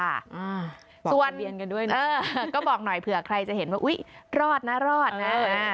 สวรรค์เรียนกันด้วยนะก็บอกหน่อยเผื่อใครจะเห็นว่าอุ๊ยรอดนะรอดนะ